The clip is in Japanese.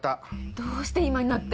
どうして今になって？